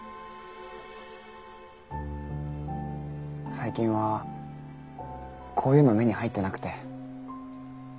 最近はこういうの目に入ってなくて。